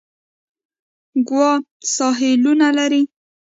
ګوا ساحلونه لري.